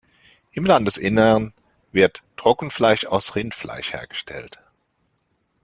Im Landesinnern wird Trockenfleisch aus Rindfleisch hergestellt.